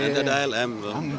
nanti ada alm